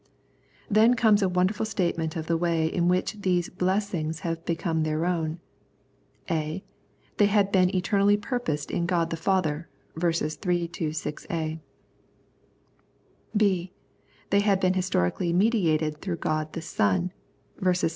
Then comes a wonderful statement of the way in which these blessings had become their own. {a) They had been eternally purposed in God the Father (vers. 3 6^) ; Q) they had been historically mediated through God the Son (vers.